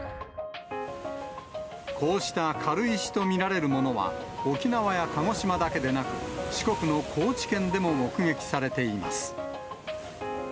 こうした軽石と見られるものは、沖縄や鹿児島だけでなく、四国の高知県でも目撃されています。